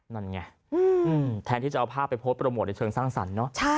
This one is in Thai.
นั่นไงแทนที่จะเอาภาพไปโพสต์โปรโมทในเชิงสร้างสรรค์เนอะ